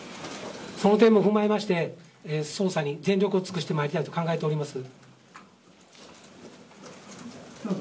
その点も踏まえまして捜査に全力を尽くしてまいりたいと思っております。